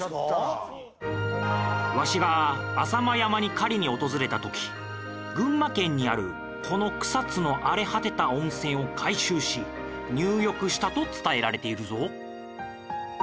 わしが浅間山に狩りに訪れた時群馬県にあるこの草津の荒れ果てた温泉を改修し入浴したと伝えられているぞ。